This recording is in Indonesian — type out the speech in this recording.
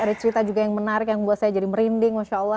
ada cerita juga yang menarik yang membuat saya merinding